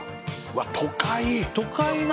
わっ都会